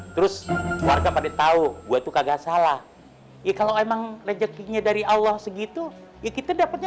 terus warga pada tahu gue tuh kagak salah ya kalau emang rezekinya dari allah segitu ya kita dapatnya